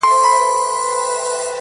باڼه به مي په نيمه شپه و لار ته ور وړم